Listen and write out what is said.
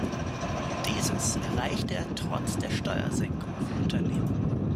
Dieses erreichte er trotz der Steuersenkung für Unternehmen.